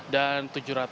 dan ketiga arief vyaksono